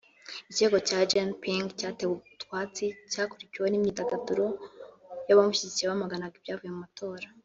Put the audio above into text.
Ikirego cya Jena Ping cyatewe utwatsi cyakurikiye imyigaragambyo y’abamushyigikiye bamaganaga ibyavuye mu matora